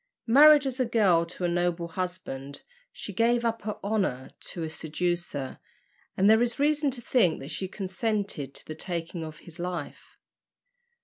Married as a girl to a noble husband, she gave up her honour to a seducer, and there is reason to think that she consented to the taking of his life.